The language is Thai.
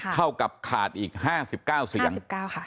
เท่ากับขาดอีก๕๙เสียง